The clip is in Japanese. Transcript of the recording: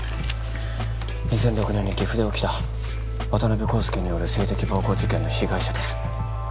２００６年に岐阜で起きた渡辺康介による性的暴行事件の被害者です